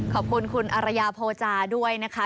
ขอบคุณคุณอรยาโพจาด้วยนะคะ